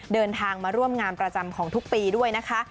เดินทางมาร่วมงานประจำของทุกปีด้วยนะคะ